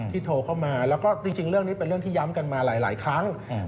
โทรเข้ามาแล้วก็จริงเรื่องนี้เป็นเรื่องที่ย้ำกันมาหลายครั้ง